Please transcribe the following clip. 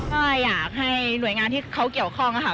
ก็อยากให้หน่วยงานที่เขาเกี่ยวข้องค่ะ